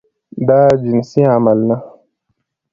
دا جنسي عمل ده.